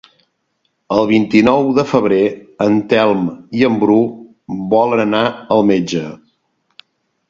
El vint-i-nou de febrer en Telm i en Bru volen anar al metge.